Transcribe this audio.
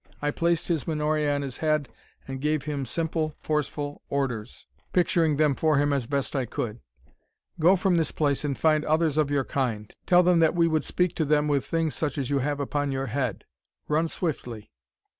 I placed his menore on his head and gave him simple, forceful orders, picturing them for him as best I could: "Go from this place and find others of your kind. Tell them that we would speak to them with things such as you have upon your head. Run swiftly!"